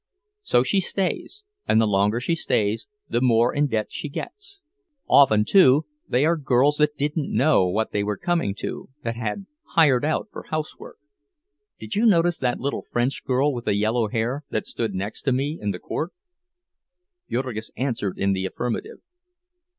So she stays, and the longer she stays, the more in debt she gets. Often, too, they are girls that didn't know what they were coming to, that had hired out for housework. Did you notice that little French girl with the yellow hair, that stood next to me in the court?" Jurgis answered in the affirmative.